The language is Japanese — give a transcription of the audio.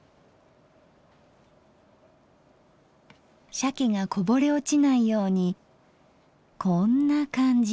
しゃけがこぼれ落ちないようにこんな感じに。